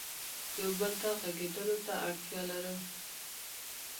یو بل ته غږېدلو ته اړتیا لرو.